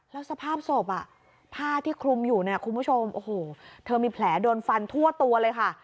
แล้วสภาพศพผ้าที่คลุมอยู่เนี่ยคุณผู้ชมโอ้โหเธอมีแผลโดนฟันทั่วตัวเลยค่ะ